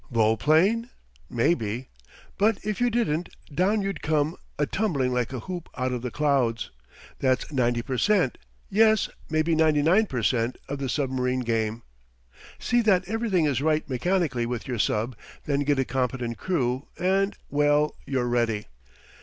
Volplane? Maybe. But if you didn't down you'd come atumbling like a hoop out of the clouds. That's 90 per cent yes, maybe 99 per cent of the submarine game: See that everything is right mechanically with your sub, then get a competent crew and well, you're ready."